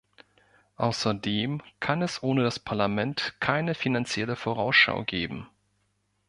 Außerdem kann es ohne das Parlament keine Finanzielle Vorausschau geben.